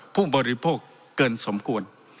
ผู้บริโภคเกินสมควร